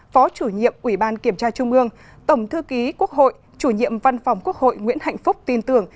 phó chủ nhiệm ủy ban kiểm tra trung ương tổng thư ký quốc hội chủ nhiệm văn phòng quốc hội nguyễn hạnh phúc tin tưởng